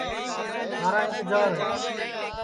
تھارا اِنتجار ہے